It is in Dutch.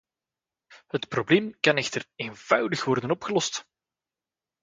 Het probleem kan echter eenvoudig worden opgelost.